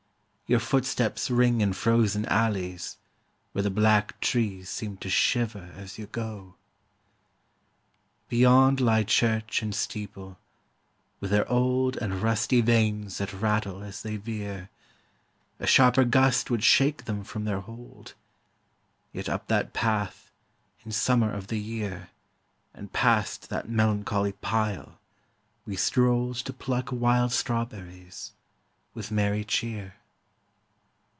Your footsteps ring in frozen alleys, whereThe black trees seem to shiver as you go. Beyond lie church and steeple, with their oldAnd rusty vanes that rattle as they veer,A sharper gust would shake them from their hold, Yet up that path, in summer of the year, And past that melancholy pile we strolledTo pluck wild strawberries, with merry cheer.